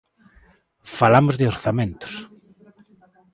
Falamos de orzamentos.